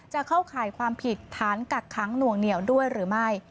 เข้าข่ายความผิดฐานกักขังหน่วงเหนียวด้วยหรือไม่